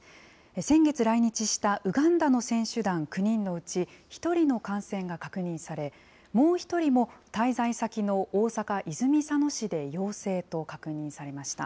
先月来日したウガンダの選手団９人のうち、１人の感染が確認され、もう１人も滞在先の大阪・泉佐野市で陽性と確認されました。